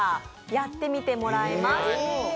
やってみてもらいます。